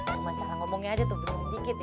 cuma cara ngomongnya aja tuh beneran dikit ya